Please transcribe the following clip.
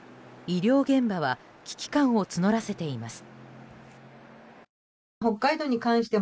医療現場は危機感を募らせています。